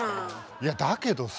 いやだけどさ。